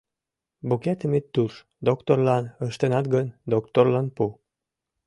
Букетым ит турж, докторлан ыштенат гын, докторлан пу.